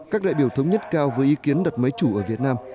các đại biểu thống nhất cao với ý kiến đặt máy chủ ở việt nam